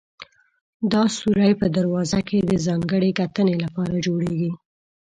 دا سورى په دروازه کې د ځانګړې کتنې لپاره جوړېږي.